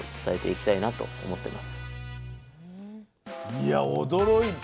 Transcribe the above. いや驚いた。